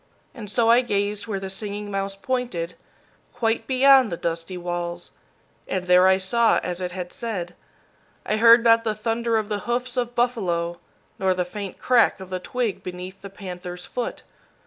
And so I gazed where the Singing Mouse pointed, quite beyond the dusty walls, and there I saw as it had said. I heard not the thunder of the hoofs of buffalo, nor the faint crack of the twig beneath the panther's foot.